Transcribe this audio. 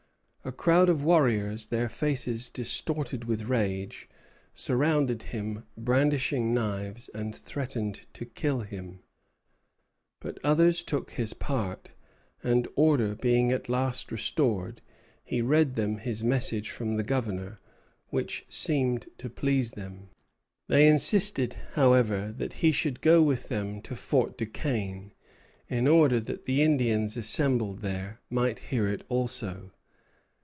A crowd of warriors, their faces distorted with rage, surrounded him, brandishing knives and threatening to kill him; but others took his part, and, order being at last restored, he read them his message from the Governor, which seemed to please them. They insisted, however, that he should go with them to Fort Duquesne, in order that the Indians assembled there might hear it also.